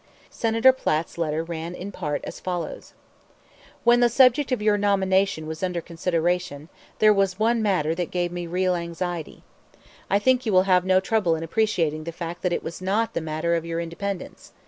Senator Platt's letter ran in part as follows: "When the subject of your nomination was under consideration, there was one matter that gave me real anxiety. I think you will have no trouble in appreciating the fact that it was not the matter of your independence.